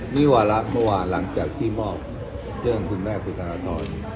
วิวาระเมื่อวานหลังจากที่มอบเรื่องคุณแม่คุณธนทร